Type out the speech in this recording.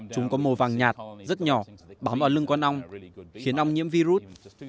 chúng có màu vàng nhạt rất nhỏ bám vào lưng con ong khiến ong nhiễm virus